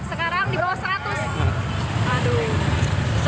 sekarang di bawah seratus